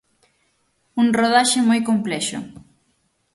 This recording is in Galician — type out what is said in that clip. Un rodaxe moi complexo.